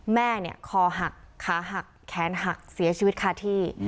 แม่เนี่ยคอหักขาหักแขนหักเสียชีวิตคาที่